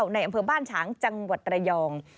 ในอำเภอบ้านฉางจังหวัดระยอง